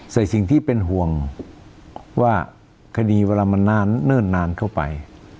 สิ่งที่เป็นห่วงว่าคดีเวลามันนานเนิ่นนานเข้าไป